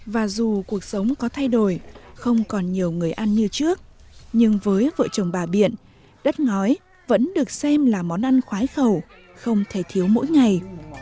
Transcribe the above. và dù cuộc sống có thay đổi không còn nhiều người ăn như trước nhưng với vợ chồng bà biện đất ngói vẫn được xem là món ăn khoái khẩu không thể thiếu mỗi ngày